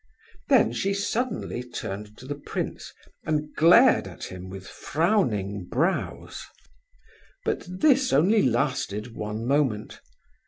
Then she suddenly turned to the prince, and glared at him with frowning brows; but this only lasted one moment.